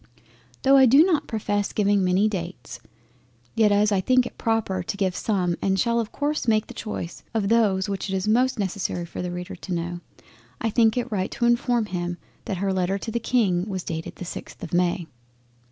Tho' I do not profess giving many dates, yet as I think it proper to give some and shall of course make choice of those which it is most necessary for the Reader to know, I think it right to inform him that her letter to the King was dated on the 6th of May.